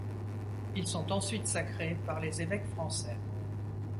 Ils sont ensuite sacrés par les évêques français.